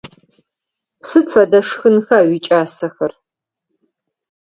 Сыд фэдэ шхынха уикӏасэхэр?